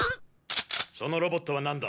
そのロボットはなんだ？